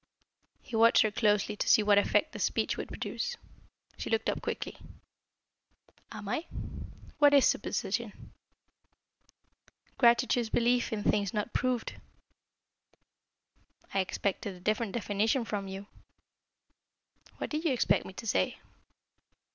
He watched her closely to see what effect the speech would produce. She looked up quickly. "Am I? What is superstition?" "Gratuitous belief in things not proved." "I expected a different definition from you." "What did you expect me to say?"